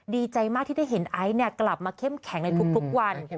ดีใจมากที่ได้เห็นไอซ์กลับมาเข้มแข็งในทุกวัน